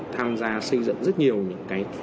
tham gia xây dựng rất nhiều những cái